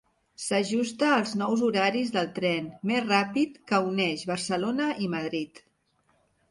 S'ajusta als nous horaris del tren més ràpid que uneix Barcelona i Madrid.